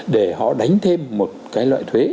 để họ đánh thêm một cái loại thuế